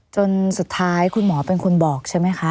จนสุดท้ายคุณหมอเป็นคนบอกใช่ไหมคะ